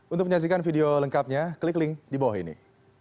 untuk menyaksikan video lengkapnya klik link di bawah ini